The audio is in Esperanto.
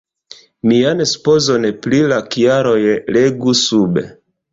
Mian supozon pri la kialoj legu sube.